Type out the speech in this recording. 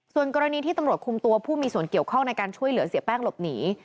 ส่วนกรณีที่ตำรวจคุมตัวผู้มีส่วนเกี่ยวข้องในการช่วยเหลือเสียแป้งหลบหนี